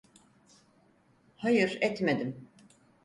Hayır, etmedim.